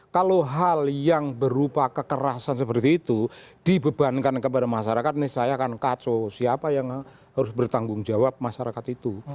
kalau hal yang berupa kekerasan seperti itu dibebankan kepada masyarakat ini saya akan kacau siapa yang harus bertanggung jawab masyarakat itu